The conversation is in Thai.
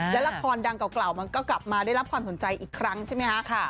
และละครดังเก่ามันก็กลับมาได้รับความสนใจอีกครั้งใช่ไหมคะ